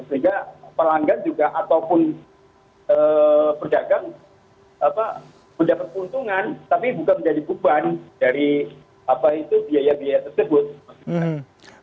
sehingga pelanggan juga ataupun pedagang mendapat keuntungan tapi bukan menjadi beban dari biaya biaya tersebut